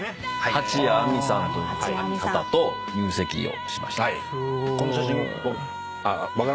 蜂谷晏海さんという方と入籍をしました。